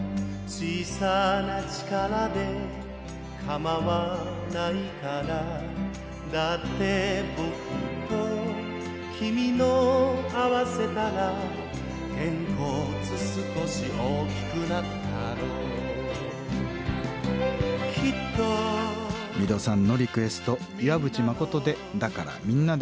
小さな力でかまわないからだってぼくと君のをあわせたらゲンコツすこし大きくなったろうミドさんのリクエスト岩渕まことで「だからみんなで」